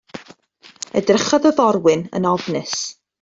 Edrychodd y forwyn yn ofnus.